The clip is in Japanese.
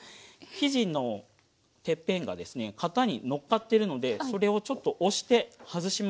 生地のてっぺんがですね型にのっかってるのでそれをちょっと押して外します。